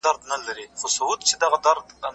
سره لمبه سم چي نه وینې نه مي اورې په غوږونو